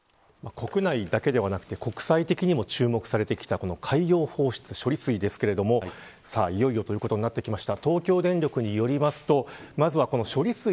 国内だけではなくて国際的にも注目されてきた海洋放出処理水ですけどもいよいよ、ということになってきました。